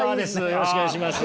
よろしくお願いします。